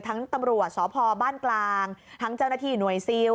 ตำรวจสพบ้านกลางทั้งเจ้าหน้าที่หน่วยซิล